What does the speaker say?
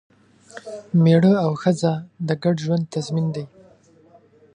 مېړه او ښځه د ګډ ژوند تضمین دی.